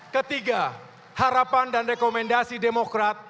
ketiga harapan dan rekomendasi demokrat